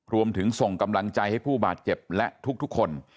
ส่งกำลังใจให้ผู้บาดเจ็บและทุกคน